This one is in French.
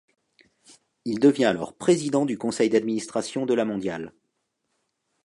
Il devient alors président du Conseil d’administration de La Mondiale.